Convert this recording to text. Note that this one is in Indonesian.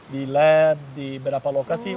di lab di beberapa lokasi